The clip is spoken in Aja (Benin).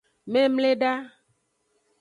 Memleda.